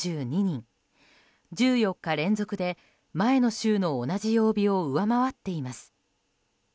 １４日連続で前の週の同じ曜日を上回っています。